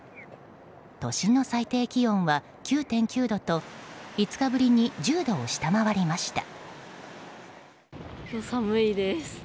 都心の最低気温は９．９度と５日ぶりに１０度を下回りました。